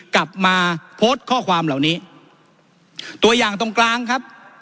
กลับมาโพสต์ข้อความเหล่านี้ตัวอย่างตรงกลางครับ